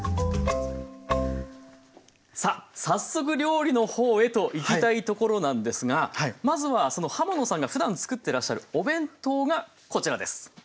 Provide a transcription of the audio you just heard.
さあ早速料理のほうへといきたいところなんですがまずは浜野さんがふだん作ってらっしゃるお弁当がこちらです。